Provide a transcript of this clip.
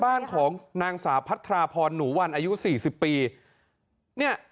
บ้านของนางสาวพัทราพรหนูวันอายุสี่สิบปีเนี่ย